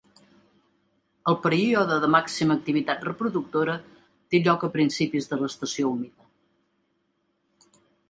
El període de màxima activitat reproductora té lloc a principis de l'estació humida.